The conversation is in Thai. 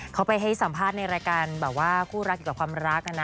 เขาไปให้สัมภาษณ์ในรายการแบบว่าคู่รักอยู่กับความรัก